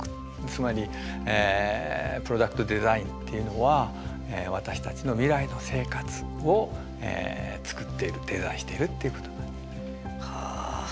つまりプロダクトデザインっていうのは私たちの未来の生活をつくっているデザインしているっていうことなんです。はあ！